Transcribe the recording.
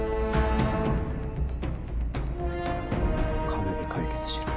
金で解決しろ。